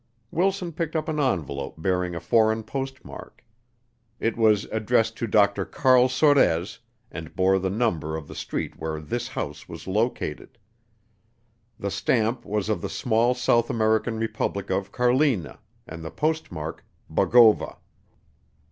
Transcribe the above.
Wilson picked up an envelope bearing a foreign postmark. It was addressed to Dr. Carl Sorez, and bore the number of the street where this house was located. The stamp was of the small South American Republic of Carlina and the postmark "Bogova."